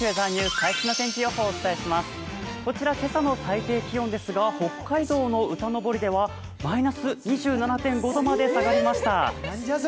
こちら、今朝の最低気温ですが、北海道の歌登ではマイナス２７．５度まで下がりました。